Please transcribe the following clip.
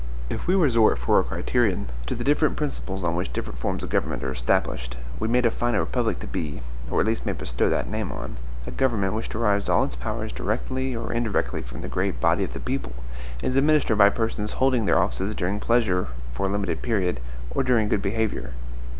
If we resort for a criterion to the different principles on which different forms of government are established, we may define a republic to be, or at least may bestow that name on, a government which derives all its powers directly or indirectly from the great body of the people, and is administered by persons holding their offices during pleasure, for a limited period, or during good behavior.